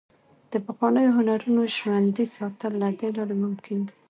د پخوانیو هنرونو ژوندي ساتل له دې لارې ممکن دي.